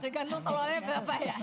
tergantung keluarganya berapa ya